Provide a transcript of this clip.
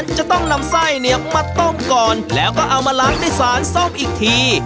จะต้องนำไส้เนี่ยมาต้มก่อนแล้วก็เอามาล้างด้วยสารส้มอีกที